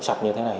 sạch như thế này